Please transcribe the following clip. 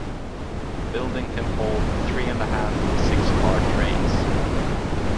The building can hold three-and-a-half six-car trains.